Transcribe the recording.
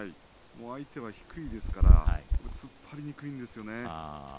相手は低いですから突っ張りにくいんですよね。